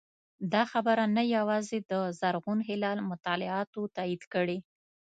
دا خبره نه یوازې د زرغون هلال مطالعاتو تایید کړې